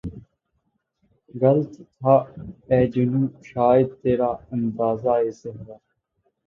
غلط تھا اے جنوں شاید ترا اندازۂ صحرا